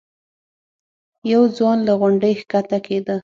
یو ځوان له غونډۍ ښکته کېده.